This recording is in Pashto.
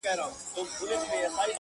• پر ما خوښي لكه باران را اوري.